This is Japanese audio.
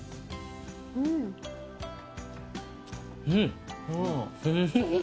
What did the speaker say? うん！